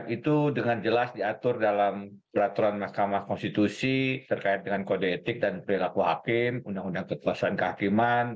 itu dengan jelas diatur dalam peraturan mahkamah konstitusi terkait dengan kode etik dan perilaku hakim undang undang kekuasaan kehakiman